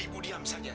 ibu diam saja